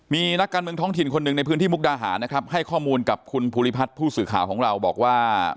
มีนักการเมืองท้องถิ่นคนหนึ่งในพื้นที่มุกดาหารนะครับให้ข้อมูลกับคุณภูริพัฒน์ผู้สื่อข่าวของเราบอกว่า